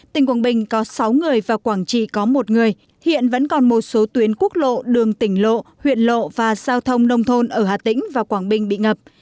tỉnh quảng bình có sáu người và quảng trị có một người hiện vẫn còn một số tuyến quốc lộ đường tỉnh lộ huyện lộ và giao thông nông thôn ở hà tĩnh và quảng bình bị ngập